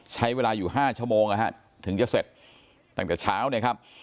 ใช้เวลาอยู่๕ชั่วโมงนะฮะถึงจะเสร็จตั้งแต่เช้านะครับ